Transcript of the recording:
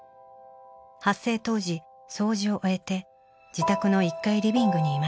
発生当時掃除を終えて自宅の１階リビングにいました。